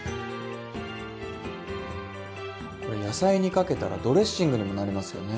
これ野菜にかけたらドレッシングにもなりますよね。